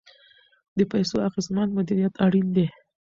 د پیسو اغیزمن مدیریت اړین دی.